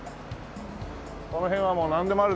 この辺はもうなんでもあるでしょ。